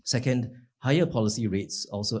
kedua harga kebijakan yang lebih tinggi